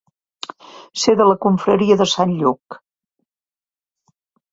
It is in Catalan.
Ser de la confraria de sant Lluc.